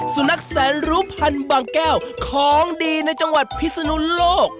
สุนัขแสนรู้พันธุ์บางแก้วของดีในจังหวัดพิศนุโลก